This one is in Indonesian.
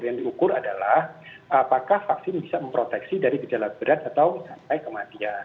yang diukur adalah apakah vaksin bisa memproteksi dari gejala berat atau sampai kematian